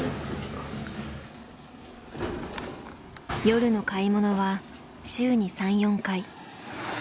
夜の買い物は週に３４回。